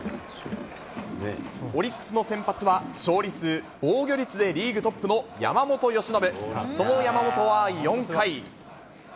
オリックスの先発は、勝利数、防御率でリーグトップの山本由伸、その山本は４回。